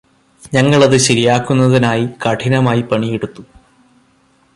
ഞങ്ങള് അത് ശരിയാക്കുന്നതിനായി കഠിനമായി പണിയെടുത്തു